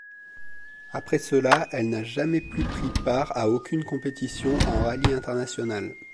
Après cela, elle n'a jamais plus pris part à aucune compétition en rallye international.